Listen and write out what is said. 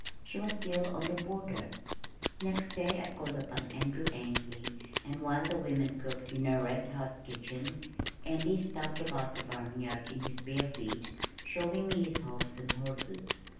She was still on the border! Next day, I called upon Andrew Ainsley and while the women cooked in a red hot kitchen, Andy stubbed about the barnyard in his bare feet, showing me his hogs and horses.